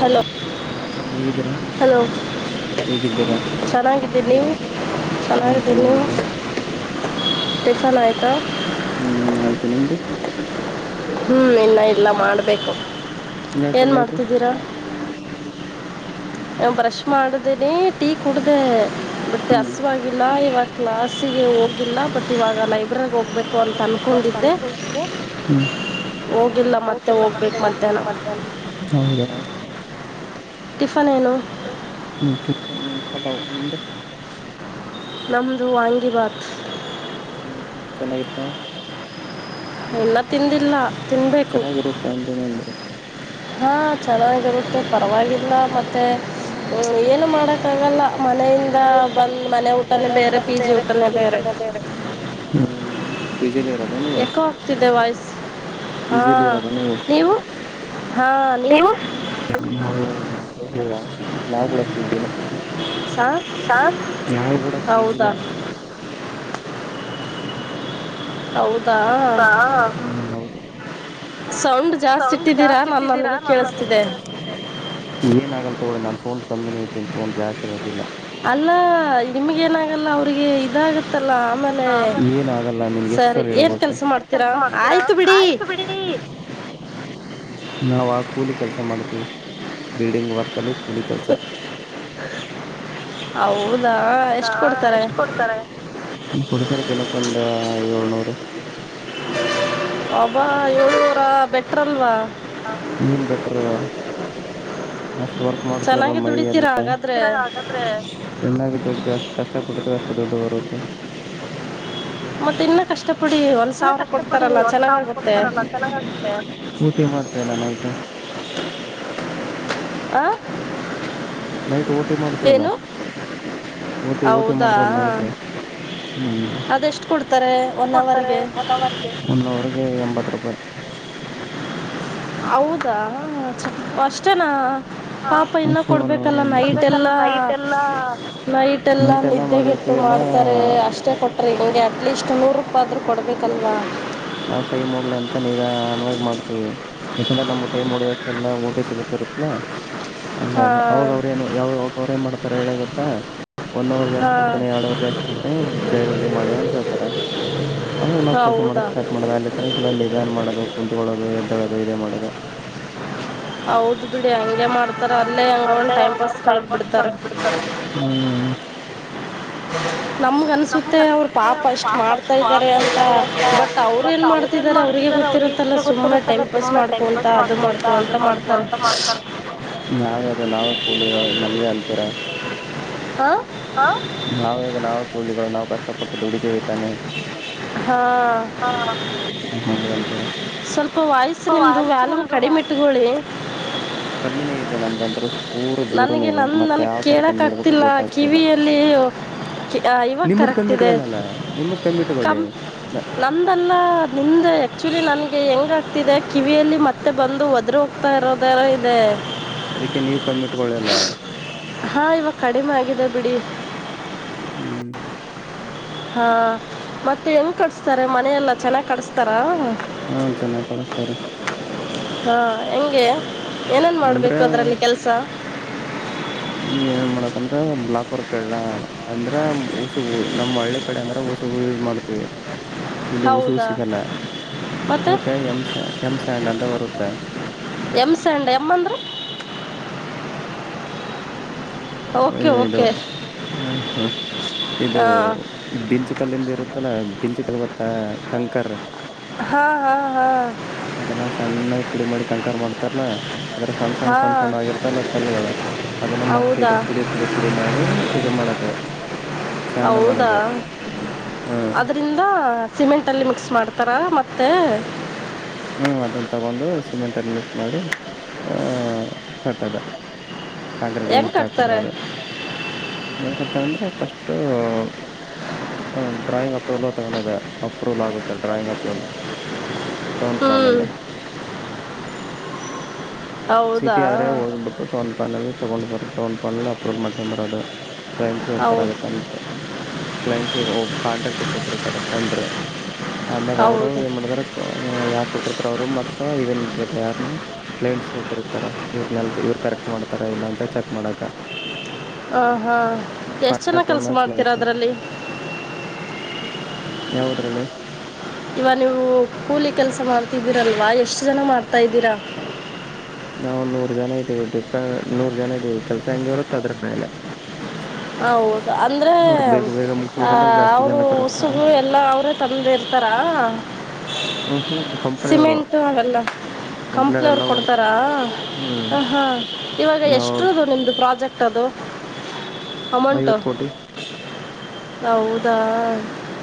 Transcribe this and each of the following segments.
Hello ಹ್ಮ್, ಹೇಗಿದ್ದೀರಾ hello ಚೆನ್ನಾಗಿದ್ದೀರಿ ನೀವು ನಾ ಚೆನ್ನಾಗಿದ್ದೀ ಸಾಲಯತ ಹ್ಮ್ ಆಯ್ತು ನಿಮ್ದು ಹ್ಮ್ ಇಲ್ಲ ಇಲ್ಲ ಮಾಡ್ಬೇಕು ಕಲ್ಲ ಟು ಬ್ರಷ್ ಮಾಡ್ದೇನನೆ ಟೀ ಕುಡ್ದ ಮತ್ತೆ ಹ್ಮ್ ಹಸುವಲ್ಲ ಇವಾಗ ಕ್ಲಾಸಿಗೆ ಹೋಗಿಲ್ಲ ಬಟ್ ಇವಾಗ ಲೈಬ್ರರಿ ಹೋಗ್ ಹೋಗಬೇಕು ಅಂತ ಅನ್ಕೊಂಡಿದ್ದೆ ಹ್ಮ್ ಹೋಗಿಲ್ಲ ಮತ್ತೆ ಹೋಗ್ಬೇಕು ಮಧ್ಯಾಹ್ನ ಹೌದಾಮ ಟಿಫನ್ ಏನು ಟಿಫನ್ ಪಲಾವ ನಿ ನಿಂದು ನಮದು ವಾಂಗಿ ಬಾಕ್ ಹ್ಮ್ ಹ ಚೆನ್ನಾಗಿತ್ತ ಇಲ್ಲ ತಿಂದಿಲ್ಲ ತಿನ್ನಬೇಕು ಚೆನ್ನಾಗಿರುತ್ತಾ ಅಂದ ನಂದರು ಹಾ ಚೆನ್ನಾಗಿರುತ್ತೆ ಪರವಾಗಿಲ್ಲ ಮತ್ತೆ ಏನು ಮಾಡಕ್ಕಗಲ್ಲ ಮನೆಯಿಂದ ಬಂದ್ ಮನೆ ಊಟಾನೇ ಬೇರೆ ಪಿ ಜಿ ಊಟಾನೇ ಬೇರೆ ಹ್ಮ್ ಪಜಲಿ ಇರತ್ತ ಎಕ್ಕೋ ಆಗ್ತಿದೆ ವಾಯ್ಸ್ ಹಾ ಪಿಜಿಲಿ ನೀವು ಹಾಂ ನೀವು ನಾ ಕೂಡ ಪಿಸಿನೇ ಹಾಂ ನವುಗೂಡ ಹೌದಾ ಪಿಜಿನೆ ಹೌದು ಹಾ ಹೌದು ಸೌಂಡ್ ಜಾಸ್ತಿ ಸೌಂಡ್ ಇಟ್ಟಿದ್ದೀರಾ ಜಾಸ್ತಿ ನಾನು ಇಟ್ಟಿದ್ದೀರಾ ನನಗೆ ನಏ ಕೇಳಿಸ್ತಿದೆ ತಗೊಳ್ಳಿ ನನ್ ಸೌಂಡ್ ಕಮ್ಮಿನೇ ಇಟ್ಟಿನಿ ಸೌ ಜಾಸ್ನೇ ಇಟ್ಟಿಲ್ಲ ಅಲ್ಲ ನಿಮ್ಗ ಏನಾಗಲ್ಲ ಅವ್ರಿಗೆ ಇದಾಗತ್ತೆ ಗತ್ತಲ್ಲಾ ಆಮೇಲೆ ಏನ್ ಆಗಲ್ಲ ನಿನ್ಗೆ ಎಷ್ಟ್ ಸರಿ ಸಲ ಏನ್ ಹೇಳ್ಬೇಕು ಕೆಲ್ಸ ಏನ್ ಮಾಡ್ತೀರಾ ಆಯ್ತು ಬಿಡಿ [inaudible] ಆಯ್ತು ನಾವವು ಆ ಕೂಲಿ ಕೆಲಸ ಮಾಡ್ತೀವಿ ಬಿಲ್ಡಿಂಗ್ ವರ್ಕ್ ಅಲ್ಲಿ ಕೂಲಿ ಕೆಲ್ಸ ಹೌದಾ ಹಾ ಎಷ್ಟು ಕೊಡ್ತಾರೆ ಎಷ್ಟ್ ಕೊಡ್ತಾರೆ ಕೊಡ್ತಾರೆ ದಿನಕ್ಕೊಂದ ಏಳ್ನೂರು ಅಬಾ ಏಳ್ನೂರ ಬೆಟ್ರಲ್ವಾ ಏನ್ ಬೆಟರು [inaudible] ಅಷ್ಟು ವರ್ಕ್ ಮಾಡ್ತವಲ್ಲ ಚೆನ್ನಾಗಿ ಮೈ ಎಲ್ಲ ದುಡಿತೀರ ಹಾಗಾದ್ರೆ ಚೆನ್ನವಿ ಅಷ್ಟ ಕಷ್ಟ ಪಡ್ತ ಅ ಅ ಬರವತ್ತ [inaudible] ಮತ್ತೆ ಇನ್ನ ಕಷ್ಟ ಎಲ್ಲ ಕಷ್ಟಪಡಿ ಒಂದ್ ಸಾವಿರ ಕೊಡ್ತಾರಲ್ಲ ಚೆನ್ನಾಗಾಗುತ್ತೆ ಮಾಡ್ತೇವಲ್ಲ ನಾಯತು ಆ ನ ಟೋಟ್ ಏನು ಓಟಿ ಓಟಿ ಹೌದಾ ಮಾಡ್ತವಲ್ಲ ನೈಟ್ ಹ್ಮ್ ಅದೆಷ್ಟು ಕೊಡ್ತಾರೆ ಒನ್ ಅವರ್ಗೆ ಕೊಡ್ತ ಒರ್ಗೆ ಎಂಬತ್ ರೂಪಾಯಿ ಹೌದಾ ಅಷ್ಟೇನಾ ಪಾಪ ಇನ್ನೂ ಅಷ್ಟೇ ಒನ್ ಅವರ್ ಕೊಡ್ಬೇಕಲ್ಲ ಎಂಬತ್ ನೈಟ್ ಎಲ್ಲಾ ರೂಪಾಯಿ ಎಲ್ಲಾ ನೈಟ್ ಎಲ್ಲಾ ನಿದ್ದೆಗೆ ಮಾಡ್ತಾರೆ ಅಷ್ಟೇ ಕೊಟ್ರಿ ನಿಮಗೆ ಅಟ್ ಲೀಸ್ಟ್ ನೂರು ರೂಪಾಯ ಆದ್ರೂ ಕೊಡ್ಬೇಕಲ್ವಾ ನಾವ್ ಟೈಮ್ ಡ್ಲ ಅಂತ ನೀ ಅನ್ಾಗಿ ಮಾಡ್ತೀವಿ ಯಾಕಂದ್ರ ನಮ್ ಟೈಮ್ ಹೊಡದ ಅಷ್ಟೆ ಎಲ್ಲ ಊಟಿ ಸಿಗುತ್ತಿರುತ್ತಲಾ ಹಂಗ ಹಾಂ ಅವಾಗ ಅವ್ರೇಏನು ಯಾವಾಗ ಅವ್್ರ ಏನ್ ಮಾಡ್ತಾರ ಹೇಳ ಗೊತ್ತಾ ಒನ್ ಅವರ್ ಜಾಸ್ತಿ ಹಾಂ ಕೊಡ್ತೀನಿ ಎರಡ್ ಅವರ್ ಜಾಸ್ತಿ ಕೊಡ್ತೀನಿ ಜೈಲ್ದ ಮಾಡಿ ಅಂತ ಹೇಳ್ತಾರೆ ಅವಾಗ ನಾವ್ ಕೆಲಸ ಹೌದಾ ಮಾಡಕ್ಷ್ಟು ಸ್ಟಾರ್ಟ್ ಮಾಡೋದು ಅಲ್ಲಿ ತನಕಲ್ಲ ನಿಧಾನ ಮಾಡೋದು ಕುತ್ಕೊಳ್ಳೋದು ಎದ್ದಳೋದು ಇದದೆ ಮಾಡೋದು ಹೌದ್ ಬಿಡಿ ಹಂಗೆ ಮಾಡ್ತ ತ ಅಲ್ಲೇ ಹಂಗ ಟೈಮ್ ಪಾಸ್ ಕಳದ ಬಿಡ್ತಾರ ಹ ನಮ್ಗನ್ೆ ಅವ್ ಪಾಪ ಎಷ್ಟ್ ಮಾಡ್ತಾ ಇದ್ದಾರೆ ಅಂತ ಬಟ್ ಅವ್ರು ಮತ್ತ ಏನು ಅವ್ರ ಏನ್ ಮಾಡ್ತಿದ್ದಾರೆ ಅವರಿಗೆ ಮಾಡ್ತಾರೆ ಅವ್ರಿಗೆ ಗೊತ್ತಿರುತ್ತಲ್ಲ ಹಗೆ ಸುಮ್ಮನೆ ಗೊತ್ತಿರತ್ತಲ್ಲ ಟೈಮ್ ಪಾಸ್ ಸುಾ ಟೈಮ್ ಮಾಡ್ಕೊತ ಪಾಸ್ ಅದು ಮಾಡ್ಕೊಂತ ಅದು ಮಾಡ್ಕೊತ ಮಾಡ್ತಾರೆ ಮಾಡ್ಕೊಂತ ಮಾಡ್ತಾರೆ ಅದು ನಾವ ಕೂಲಿಗಳು ನಮ್ಗೆ ಅಂತಿರ ಹಾ ನಾವೇಗ ನಾಾವ ಕೂಲಿಗಳು ನಾವವು ಕಷ್ಟಪಟ್ಟು ದುಡಿದೀವಿ ತಾನೆ ಹಾ ನಮ್ಗಂತೀರ ಸ್ವಲ್ಪ ವಾಯ್ಸು ನಿಮ್ದು ವ್ಯಾಲ್ಯೂಮ್ ಕಡಿಮೆ ಇಟ್ಕೊಳ್ಳಿ ಕಮ್ಮಿನೇ ಇದೆ ನಂದಂತ್ರ ಪೂರ ಜೀರೋನೇ ನನ್ಗೆ ಇದೆ ನನ್ ಮತ್ತೆ ನನ್ಗ್ ಯಾವ ತರ ಕೇಳಕ್ ಕಮ್ಮಿ ಇಡ್ಬೇಕು ಆಗ್ತಿಲ್ಲ ಗೊತ್ತಾಗ್ತಿಲ್ಲ ಕಿವಿಯಲ್ಲಿ ನಿಮ್ಮದ್ ಕಮ್ಮಿ ಇವಾಗರಗ್ತಿದೆ ಇಟ್ಗಲ್ಲಲ್ಲ ನಿಮ್ಮದ್ ಕಮ್ಮಿ ಇಟ್ಕೊಳ್ಳಿ ಕಂ ನಮಂದಲ್ಲ ನಿಮ್ದೆ ಆಕ್ಚುಲಿ ನನ್ ಗೆ ಹೆಂಗ ಆ್ತಿದೆ ಕಿವಿಯಲ್ಲಿ ಮತ್ತೆ ಬಂದು ಒದ್ರ ಹೋಗ್ತಾ ಇರೋದಾರ ಇದೆ ಅದಕ್ಕೆ ನೀವ ಕಮ್ಮಿಟ್ಕೊೊಳ್ಳಲ್ಲ ಹಾ ಇವಾಗ ಕಡಿಮೆ ಆಗಿದೆ ಬಿಡಿ ಹ್ಮ್ ಹಾ ಮತ್ತೆ ಹೆಂಗ್ ಕಡಸ್ತಾರೆ ಮನೆಯ ಎೆಲ್ಲಾ ಚೆನ್ನಾಗ್ ಕಡಸ್ತಾರಾ ಹ್ಮ ಚೆನ್ನಾಗಿ್ ಕಳಸ್ತಾರ ಹಾ ಹೆಂಗೆ ಏನೇನ್ ಅಂದ್ರೆ ಮಾಡ್ಬೇಕು ಅದರಲ್ಲಿ ಕೆಲಸ ಯಾಕಂದ್ರೆ ಬ್ಲಾಕ್ ವರ್ಕ್ಲ್ಲ ಅಂದ್ರ ಉಸುಗು ನಮ್ ಹಳ್ಳಿ ಕಡೆ ಅಂದ್ರ ಉಸುಗ ಯೂಸ್ ಮಾಡ್ತೀವಿ ಇಲ್ಲಿ ಉಸಿಗು ಹೌದಾ ಸಿಗಲ್ಲ ಮತ್ತೆ ಅದ್ಕ ಎಮ್ ಸ ಎಮ್ ಸ್ಯಾಂಡ್ ಅಂತ ಬರುತ್ತೆ ಎಮ್ಸಂಡ್ ಎಮ್ಮಂದ್ರ ಓಕೆ ಓಕೆ ಹ್ಮ ಹ್ಮ ಇದು ಹಾಂ ಬಿಂಚಿ ಕಲ್ಲಿಂದ ಇರುತ್ತೆ ಮತ್ತಲ ಬಿಂಜಿ ಕಲ್ವತ್ತಾ ಕಂಕರ್ [inaudible] ಹಾಂ ಹಾಂ ಹಾಂ ಅಲ್ಲಾ ಸಣ್ಣಾ ಇಪ್ಪಡಿ ಮಾಡಡಿ ಕಂಕಾರ್ ಮಾಡ್ತಾರಲ್ಲಾ ಅದ್ರ ಸಣ್ಣ ಸಣ್ಣ ಸಣ್ಣ ಹಾಂ ಸಣ್ಣ ಆಗಿರ್ತಲ್ಲ ಕಲ್ಲುಗಳು ಅದನ್ನ ಮತ್ತ ಹೌದಾ ಇದು ಪುಡಿ ಪುಡಿ ಪುಡಿ ಮಾಡಿ ಇದು ಮಾಡದು ಹೌದಾ ಹ್ಮ್ ಅದ್ರಂದ ಸಿಮೆಂಟ್ ಅಲ್ಲಿ ಮಿಕ್ಸ್ ಮಾಡ್ತಾರ ಮತ್ತ ಹ್ಮ್ ಅದನ್ನು ತಗೊಂಡು ಸಿಮೆಂಟನ್ನು ಮಿಕ್ಸ್ ಮಾಡಿ ಕಟ್ಟದ ಕಾಂಗ್ರೀಟ್ ಹೆಂಗ್ ಟೈಪ್ ಕಟ್ತಾರೆ ಬಂದರ ನ್ ಕಡ ಅಂತಂದ್ರೆ ಫಸ್ಟ್ ಹ ಡ್ರಾಯಿಂಗ್ ಅಪ್ರೂವಲ್ ತಗೋದ ಅಪ್ರೂವಲ್ ಆಗುತ್ತೆ ಡ್ರಾಯಿಂಗ್ ಅಪ್ರೂವಲ್ ಟೌನ್ ಹ್ಞೂ ಪ್ಲಾನಲ್ಲಿ ಹೌದಾ ಸಿಟಿ ಆದರೆೆ ಹೋಗಿಬಿಟ್ಟು ಟೌನ್ ಪ್ಲಾನಲ್ಲಿ ತಗೊಂಡ್ ಬರ ಟೌನ್ ಪ್ಲಾಾನಲ್ಲಿ ಅಪ್ರೂವಲ್ ಮಾಡ್ಸಕೊಂಡಂಬರೋದು ಕ್ಲೈಂಟ್ಸ್ ಇರ್ತಾರೆ ಹೌದು ಅದಕ್ಕಂತ ಕ್ಲೈಂಟ್ಸ್ ಕಾಂಟ್ರಕ್ಟ್ ಕೊಟ್ಟಿರ್ತಾರೆ ಟೆಂಡ್ರ ಅ ಅಂದಾಗ ಅವ್ರು ಹೌದು ಏನ್ ಮಾಡಿದಾರ ಯಾರ್ ಕೊಟ್ಟಿರ್ತಾರ ಅವ್ರು ಮತ್ತ ಇದನ್ ಇಟ್ಟಿರ್ತ ಯಾರನ್ನ ಕ್ಲೈಂಟ್ಸ್ ಇಟ್ಟಿರ್ತಾರ ಇವ್ರ ನಲ್ ಕರೆಕ್ಟ್ ಮಾಡ್ತಾರ ಇಲ್ಲ ಅಂತ ಚೆಕ್ ಮಾಡಕ ಹ ಹಾ ಎಷ್ಟ ಚನ ಕೆಲ್ಸ ಮ್ಯಾಗ ಮಾಡ್ತೀರಾ ಕ್ಲೈಂಟ್ಸ್ ಅದ್ರಲ್ಲಿ ಯಾವದ್ರಲ್ಲಿ ಇವ ನೀವು ಕೂಲಿ ಕೆಲ್ಸ ಮಾಡ್ತಿದ್ದೀರಲ್ವಾ ಎಷ್ಟು ಜನ ಮಾಡ್ತಾ ಇದ್ದೀರಾ ನಾವ ಒಂದ ನೂರ್ ಜನ ಇದ್ದೀವಿ ಡಿಪೆಂಡ್ ನೂರ್ ಜನ ಇದೀವಿ ಕೆಲ್ಸ ಹೆಂಗಗೆವರತ್ತ ಅದ್ರ ಮೇಲೆ ಹೌದು ಅಂದ್ರೆ ಅವ್ರು ಬೇಗ ಬೇಗ ಆ ಮುಗಿಸ್ಬೇಕಂದ್ರೆ ಜಾಸ್ತಿ ಅವರು ಜನ ಕರೆಸ್ತಾರೆ ಉಸುಗು ಎಲ್ಲ ಅವ್ರೇ ತಂದ ಇರ್ತಾರಾ ಹ ಹ್ಮ ಸಿಮೆಂಟ್ ಹಾಗಲ್ಲ [inaudible] ಕಂಪ್ನ ಅವ್ರು ಕಂಪ್ನಿಯವರೆಲ್ಲ ಒಂದ್ ಕೊಡ್ತಾರಾ ಹ್ಮ್ ಹ ಹಾ ಇವಾಗ ನಾವು ಎಷ್ಟದು ನಿಮ್ದು ಪ್ರಾಜೆಕ್ಟ್ [inaudible] ಟ್ಟದು ಅಮೌಂಟ ಐವತ್ತು ಕೋಟಿ ಹೌದಾ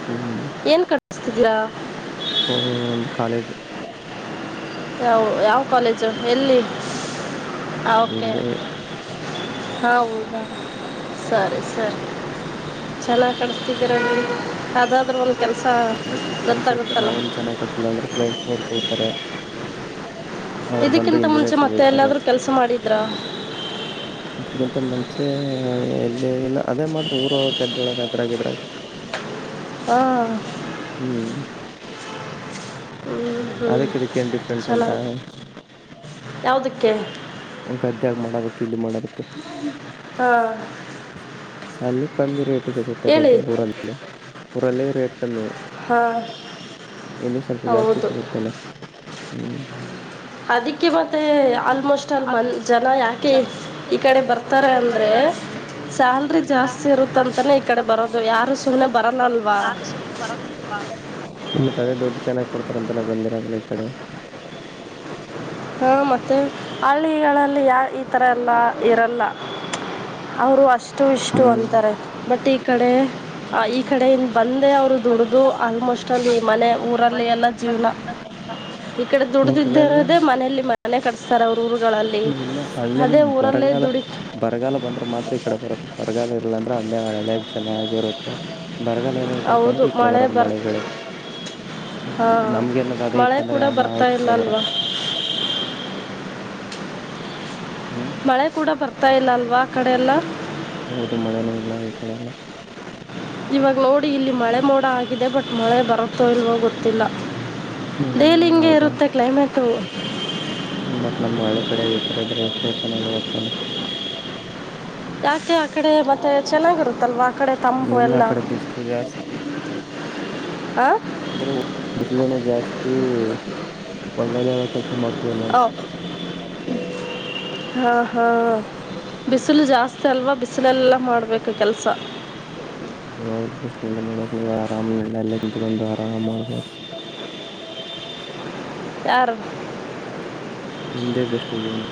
ಹ್ಮ್ ತಿದಿರಾ [inaudible] ಹ ಒಂದು ಕಾಲೇಜ್ ಯಾವ ಯಾವ ಕಾಲೇಜು ಎಲ್ಲಿ [inaudible] ಓಕೆ ಇಲ್ಲೇ ಹೌದಾ ಸರಿ ಸರಿ [inaudible] ಚಲ ಕಳಿಸತಿದ್ದೀರ ನೀಡಿ ್ಮ ಅದಕ್ಕ ಕ್ಲೈಂಟ್ಸ್ ಇರ್ತಾರೆ ಗೊತ್ತಾಗುತ್ತಲ್ಲ ನಾವೇಏನ್ ಚೆನ್ನಾಗ್ ಕಡ್ಸಿಲ್ಲ ಅಂದ್ರೆ ಕ್ಲೈಂಟ್ಸ್ ನೋಡ್ಕೊಡ್ತಾರೆ [inaudible] ಅವರು ಬಂದು ಇದಕ್ಕಿಂತ ಮುಂಚೆ ಇಂಜಿನಿಯರ್ ಸಿಗೆ ಮತ್ತೆ ಬೈತಾರೆ ಎಲ್ಲಾದರೂ ಕೆಲಸ ಮಾಡಿದ್ರಾ ಇದ್ರಗಿಂತ ಮುಂಚೆ ಮುಂಚೆ ಎ ಎಲ್ಲ ಅದೇ ಮಾಡತ ಊರೊಳ ಗದ್ದೆೊಳಗ ಅದ್ರಾಗದ್ರಾಗ ಹಾ [inaudible] ಹ್ಮ್ ಹ್ಮ್ ಹ್ಮ್ ಅದಕ್ ಇದಕ್ಕ ಏನ್ ಡಿಫ್ರೆನ್ಸ್ ಚಲಾಗಿು ಅಂದ್ರ ಯಾವದಕ್ಕೆ [inaudible] ಗದ್ದೆಗ ಮಾಡೋದಕ್ ಇಲ್ಲಿ ಮಾಡದಕ್ ಹಾಂ ಅಲ್ಲಿ ಕಮ್ಮಿ ರೇಟ್ ಹೇಳಿ ಸಿಗತಕ್ಕ್ದ ಊರಲ್ಲಿ ಊರಲ್ಲಿ ರೇಟ್ ಕಮ್ಮಿ ಹಾಂ ಇಲ್ಲಿ ಸ್ವಲ್ಪ ಜಾಸ್ತಿ ಹೌದು ಸಿಗುತ್ತಲ್ಲ ಹ್ಮ್ [inaudible] ಅದಕ್ಕೆ ಮತ್ತೆ ಆಲ್ಮೋಸ್ಟ್ ಅಷ್ಟ ಅಲ್ಲಿ ಮನ್ ಜನ ಯಾಕೆ ಈ ಕಡೆ ಬರ್ತಾರೆ ಅಂದ್ರೆ ಸ್ಯಾಲ್ರಿ ಜಾಸ್ತಿ ಇರುತ್ತ ಅಂತಾನೇ ಈ ಕಡೆ ಬರೋದು ಯಾರು ಸುಮ್ಮ್ನೆ ಬರಲ್ಲಲ್ವಾ ಮತ್ತೆ ಅದೇ ದುಡ್ಡು ಚೆನ್ನಾಗ್ ಕೊಡ್ತಾರ ಅಂತನ ಬಂದಿರ ಅದ್ರ ಈ ಕಡೆ ಹಾ ಮತ್ತೆ ಹಳ್ಳಿಗಳಲ್ಲಿ ಯಾ ಈ ತರ ಎಲ್ಲ ಇರಲ್ಲ [inaudible] ಅವರು ಅಷ್ಟು ಇಷ್ಟು ಹ್ಮ್ ಅಂತಾರೆ ಬಟ್ ಈ ಕಡೆ ಈ ಕಡೆಯಿಂದ ಬಂದ ಅವ್ರು ದುಡ್ದು ಆಲ್ಮೋಸ್ಟ್ ಅಲ್ಲಿ ಮನೆ ಊರಲ್ಲಿ ಎಲ್ಲ ಜೀವ್ನ ಈ ಕಡೆ ಊರಲೆಲ್ಲ ದುಡ್ದಿದ್ದರದೇ ಮನೇೆಯಲ್ಲಿ ಮನೆ ಕಟ್ಸ್ತಾರ ಅವರು [inaudible] ಇಲ್ಲ ಹಳ್ಳಲಿ ಬರಗಾಲ ದುಡಿ ಬರಗಾಲ ಬಂದ್ರೆ ಮಾತ್ರ ಈ ಕಡೆ ಬರದು ಬರಗಾಲ ಇರಲ್ಲಂತ ಅಲ್ಲೇ ಹಳ್ಳ್ಯಾಗ ಚೆನ್ನಾಗಿರುತ್ತೆ ಬರಗಾಲ ಏನಾದ್ ಬಂತ ಹೌದು ಅಂದ್ರೆ ಈ ಕಡೆ ಮಳೆ ಬರದು ಬರ್ ಮಳೆಗಳೇ ಹ್ಮ್ ಹಾಂ ನಮ್ಗೆನಾರ್ ಅದೆ ಮಳೆ ಇತ್ತ ಅಂದ್ರೆ ಕೂಡ ಯಾನ ಬರ್ತಾ ಇಲ್ಲ ಕೂಡ ಅಲ್ವಾ ಬರಕ್ ಹ್ಮ್ ಮಳೆ ಕೂಡ ಬರ್ತಾ ಇಲ್ಲ ಅಲ್ವಾ ಆ ಕಡೆ ಎಲ್ಲ ಹೌದು ಮಳೆನೇ ಇಲ್ಲ ಈ ಕಡೆ ಎಲ್ಲ ಇವಾಗ ನೋಡಿ ಇಲ್ಲಿ ಮಳೆ ಮೋಡ ಆಗಿದೆ ಬಟ್ ಮಳೆ ಬರುತ್ತೋ ಇಲ್ವೋ ಗೊತ್ತಿಲ್ಲ ಡೈಲಿ ಹ್ಮ್ ಹಿಂಗೆ ಹೌದಾ ಇರುತ್ತೆ ಕ್ಲೈಮೇಟು ಬಟ್ ನಮ್ಮ್ ಹಳ್ಳಿ ಕಡೆ ಈ ತರ ಇದ್ರೆ ಎಷ್ಟೋ ಚೆನ್ನಾಗಿರುತ್ತಲ್ಲ ಯಾಕೆ ಆ ಕಡೆ ಮತ್ತೆ ಚೆನ್ನಾಗಿರುತ್ತಲ್ವಾ ಕಡೆ ತಂಪು ಇಲ್ಲ ಎಲ್ಲ ಕಡೆ ಬಿಸಿಲು ಜಾಸ್ತೀ ಹಾಂ ಅಂದ್ರೂ ಬಿಸಿಲುನು ಜಾಸ್ತಿ ಒಂದಾಲ ಕೆಲ್ಸ ಮಾಡ್ತವಲ್ಲ ಹಾಂ ಹಾ ಹಾ [inaudible] ಬಿಸಿಲು ಜಾಸ್ತಿ ಅಲ್ವಾ ಬಿಸಿಲೆಲ್ಲ ಮಾಡಬೇಕು ಕೆಲಸ ಹೌದು ಬಿಸಲ್ಲಿ ಮಾಡ ನೀವು ಆರಾಮನಲ್ಲಲ್ಲಂತ ಬಂದು ಆರಾಮ್ ಮಾಡಬೋದು ಹೂ ಹೂ [unintelligible] ಯಾರು [inaudible] ನಿಮ್ದೇ ಬೆಸ್ಟ್ ಜೀವನ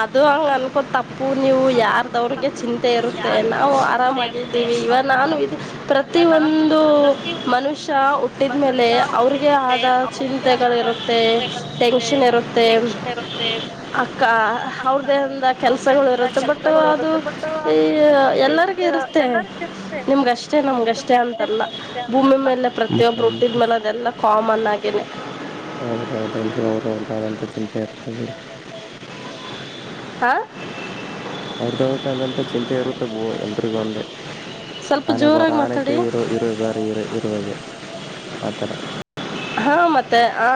ಅದು ಹಂಗ ಅನ್ಕೊತಪ್ಪ ಪೂ ನೀವು ಯಾರ್ದವ್ರಿಗೆ ಚಿಂತೆ ಇರುತ್ತೆ ನಾವು ಆರಾಮಾಗಿದ್ದೀವಿ ಇವ ನಾನು ಇ ಪ್ರತಿ ಪ್ರತಿ ಒಂದು ಮನುಷ್ಯ ಹಟ್ಟಿದ್ಮೇಲೆ ಅವ್ರಿಗೆ ಆದ ಚಿಂತೆಗಳಿರುತ್ತೆ ಟೆನ್ಷನ್ ಇರುತ್ತೆ ಟೆನ್ಷನ್ ಇರುತ್ತೆ ಅಕ್ಕ ಅವ್ರ್ದೇಂದ ಕೆಲ್ಸಗಳು ಇರುತ್ತೆ ಬಟ್ ಅದು ಈ ಎಲ್ಲರಿಗ ತೆ ನಿಮ್ಗಷ್ಟೇ ನಮ್ಗಷ್ಟೇ ಅಂತಲ್ಲ ಭೂಮಿ ಮೇಲೆ ಪ್ರ [unintelligible] ಬಟ್ ಮತೊಬ್ ನಮ್ ರರುಟ್ಟಿದ್ಮೇಲ ಅದೆಲ್ಲ ಕಾಮನ್ ಆಗನೆ ಎಲ್ರೂ ಅವರು ಅವ್ರದ ಆದಂತಥ ಚಿಂತೆ ಇರುತ್ತ ಬೀಡಿ ಹ [inaudible] ಅವ್ರದ್ದತ ಆದಂಥ ಚಿಂತೆ ಇರುತ್ತೋ ಎಲ್ರಿಗೂ ಒಂದೇ ಸ್ವಲ್ಪ ಆನೆ ಬರ ಜೋರಾಗಿ ಆನಕ ಮಾತಾಡಿ ಇರೋ ಇರುವೆ ಬರ ಇರ ಇರುವಾಗೆ ಆತರ ಹಾ ಮತ್ತೆ ಆ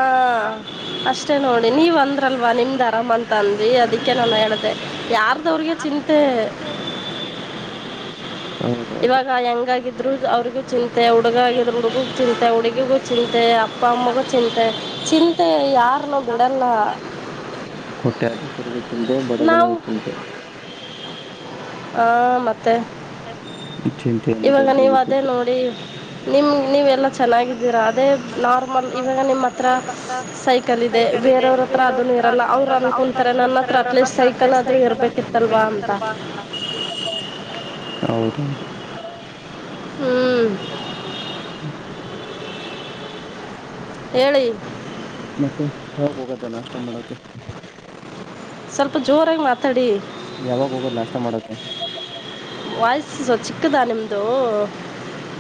ಅಷ್ಟ [unintelligible] ಅಷ್ಟೆ ನೋಡಿ ನೀವ ಅಂದ್ರಲ್ವಾ ನಿಮ್ದ್ ಅರಾಮ ಅಂತ ಅಂದ್ವಿ ಅದಕ್ಕೆ ನಾನು ಹೇಳ್ದ ಯ ಅದ ಅವ್ರಿಗೆ ಚಿಂತೆ ಹೌದೌದು ಇವಾಗ ಹೆಂಗಗಿದ್ರು ಅವ್ರ [unintelligible] ಚಿಂತೆ ಹುಡುಗಗಿದ್ರ ಹುಡುಗ ಚಿಂತೆ ಹುಡುಗಿಗೂ ಚಿಂತೆ ಅಪ್ಪ ಅಮ್ಮಗೂ ಚಿಂತೆ ಚಿಂತೆ ಯಾರನ್ನೂ ಬಿಡಲ್ಲ ಕಟ್ಟೆ ಆದ ದೇಶಗ [unintelligible] ಚಿಂತೆ ನಾವು ಬಡಗನವು ಚಿಂತೆ ಹ್ಮ ಮತ್ತೆ ಮ ಚಿಂತೆ ಅನ್ನೋದು ಇವಾಗ ನೀವ ಎಲ್ರಿಗೂ ಅದೇ ಇದ್ದಿದ್ದೆ ನೋಡಿ ನಿಮ್ ನೀವೆಲ್ಲ [unintelligible] ಚೆನ್ನಾಗಿದ್ದೀರಾ ಅದೇ ನಾರ್ಮಲ್ ಇವಾಗ ನಿಮ್ಮ ಹತ್ರ ಸೈಕಲ್ ಇದೆ ಬೇರೆಯವ್ರ ಹತ್ರ ಅದನ್ನ ಇರಲ್ಲ ಅವರು ಅನ್ಕೊತಾರೆ ನನ್ನ ಹತ್ರ ಅಟ್ಲೀಸ್ಟ್ ಸೈಕಲ್ ಆದ್ರೂ ಇರ್ಬೇಕಿತ್ತ ಲ್ ಬಂತ [unintelligible] [inaudible] [inaudible] ಹ್ಮ್ ಹ್ಮ [unintelligible] ಹೇಳಿ ಮತ್ತೆ ಹಾವ ಹೋಗದ ನಾಷ್ಟ ಮಾಡಕ [unintelligible] ಸ್ವಲ್ಪ ಜೋರಾಗಿ ಮಾತಾಡಿ ಯಾವಾಗ ಹೋಗೋದ್ ನಾಷ್ಟ ಮಾಡೋಕೆ ವಾಯಸುಸ ಚಿಕ್ಕದಾ ನಿಮ್ದು [inaudible]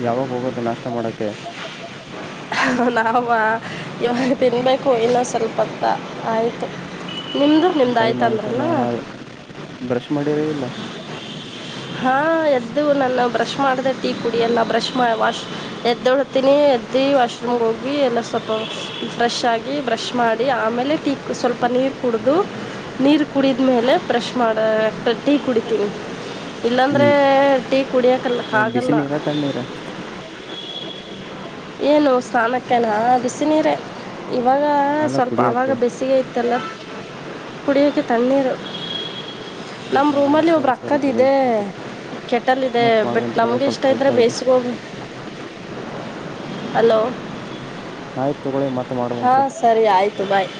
ಯಾವಾಗ ಹೋಗೋದು ನಾಷ್ಟ ಮಾಡಕ್ಕೆ. ನವಾಗ [unintelligible] ಇವಾಗ ತಿನ್ನಬೇಕು ಇನ್ನೂ ಸ್ವಲ್ಪತ್ತ ಆಯಿತು. ನಿಮ್ದು ನಿಮ್ದ ಟೈಮ್ ಆಯ್ತ ಅಂದ್ರಲ್ಲ. ಆಯ್ತಲ್ಲ ಬ್ರಷ್ ಮಾಡಿರ ಇಲ್ಲ ಹಾ ಎದ್ದು ನನ್ನ ಬ್ರಷ್ ಮಾಡ್ರೆ ಟೀ ಕುಡಿಿಯಲ್ಲ ಬ್ರಷ್ ವಾಶ್ ಎದ್ದ ಹೊಳತೀನಿ ಎದ್ದ. ವಾಶ್ರೂಮ್ಗೆ ಹೋಗಿ ಎಲ್ಲ ಸ್ವಲ್ಪ ಫ್ರೆಶ್ ಆಗಿ ಬ್ರಷ್ ಮಾಡಿ ಆಮೇಲೆ ಟೀಕ್ ಸ್ವಲ್ಪ ನೀರು. ಕುಡಿದು ನೀರು ಕುಡಿದ್ಮೇಲೆ ಬ್ರಷ್ ಮಾಡ ಟೀ ಕುಡಿತೀನಿ. ಇಲ್ಲಾಂದ್ರೆ ಹ್ಮ್ ಟೀ ಕುಡಿಯಕಲ್ಲ ಯಾವ ಬಿಸಿ ಹಾಗಲ್ಲ. ನೀರ ತಣ್ಣೀರ ಏನು ಸ್ನಾನಕ್ಕೇನಾ ಬಿಸಿನೀರ. ಇವಾಗ ಅಲ್ಲ ಸ್ವಲ್ಪ ಅವಾಗ ಕುಡಿಯಕ್ಕೆ ಬೇಸಿಗೆ ಇತ್ತಲ್ಲ ಕುಡಿಯಕ್ಕೆ ತ್ಣೀರು ಹೌದಾ ಸರಿ ಸರಿ ತ ಬೈ [unintelligible] ಕೆಟ್ಟಲ್ಲ ಇದೆ ಬಟ್ ಒಂದ್ ನಮ್ಗೆ ಸ್ವಲ್ಪ ಇಷ್ಟ ಇದ್ರೆ ಕೆಲ್ಸ ಇದೆ ಬೇಯಸಗ ಹೋಗ್ಿ ಹಲೋ ಆಯ್ತ್ ತಗೊಳ್ಳಿ ಮತ್ ಹಾ ಮಾಡುವಂತ್ರಿ ಸರಿ ಆಯ್ತು ಬಾಯ್.